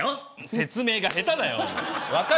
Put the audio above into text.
説明が下手だよ。